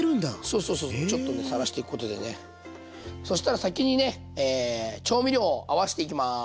そしたら先にね調味料を合わしていきます。